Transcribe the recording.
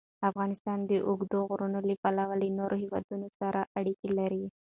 افغانستان د اوږده غرونه له پلوه له نورو هېوادونو سره اړیکې لري.